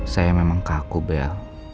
saya memang kaku bel